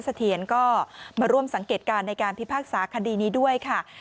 เสถียรก็มาร่วมสังเกตการณ์ในการพิพากษาคดีนี้ด้วยค่ะ